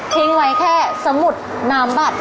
ทิ้งไว้แค่สมุดน้ำบัตร